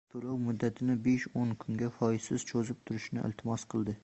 toʻlov muddatini besh-oʻn kunga foizsiz choʻzib turishlarini iltimos qildi.